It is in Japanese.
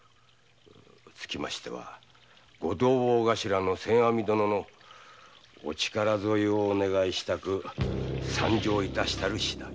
つきましては御同朋頭の千阿弥殿のお力添えを願いしたく参上致したる次第。